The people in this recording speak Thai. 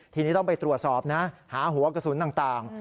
ทีนี้ต้องไปตรวจสอบนะหาหัวกระสุนต่าง